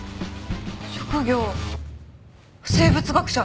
職業生物学者！